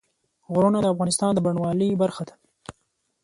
غرونه د افغانستان د بڼوالۍ برخه ده.